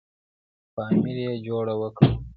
په امر یې جوړه وکړه.